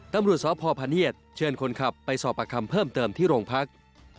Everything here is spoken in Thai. ตำรวจสพพเนียดเชิญคนขับไปสอบประคำเพิ่มเติมที่โรงพัก